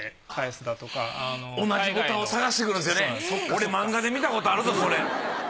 俺マンガで見たことあるぞそれ。